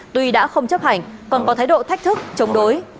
tuy đã không chấp hành còn có thái độ thách thức chống đối